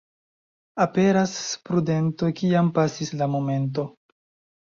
Aperas prudento, kiam pasis la momento.